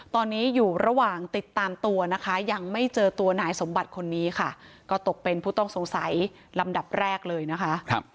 ตอนนี้อยู่ระหว่างติดตามตัวนะคะยังไม่เจอตัวนายสมบัติคนนี้ค่ะก็ตกเป็นผู้ต้องสงสัยลำดับแรกเลยนะคะ